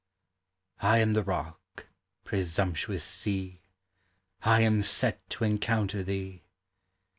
I am the Rock, presumptuous Sea! I am set to encounter thee.